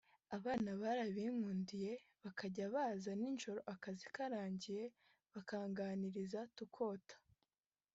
Abana barabinkundiye bakajya baza ninjoro akazi karangiye bakanganiriza tukota